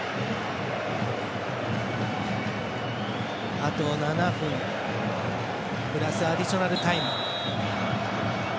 あと７分プラスアディショナルタイム。